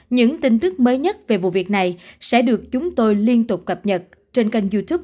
những tin tức mới nhất về vụ việc này sẽ được chúng tôi liên tục cập nhật trên kênh youtube